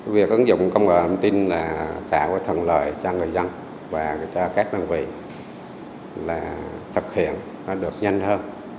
việc ứng dụng công nghệ thông tin là tạo cái thần lời cho người dân và cho các đơn vị là thực hiện nó được nhanh hơn